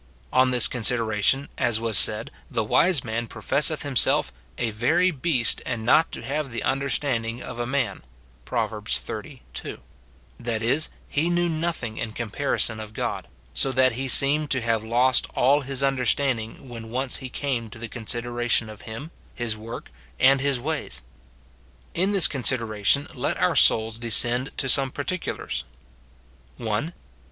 On this con sideration, as was said, the wise man professeth himself " a very beast, and not to have the understanding of a man," Prov. xxx. 2 ;— that is, he knew nothing in com parison of God ; so that he seemed to have lost all his understanding when once he came to the consideration of him, his work, and his ways. SIN IN BELIEVERS. 267 In t1iis consideration let our souls descend to some par ticula^rs :— [1.